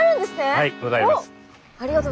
はいございます。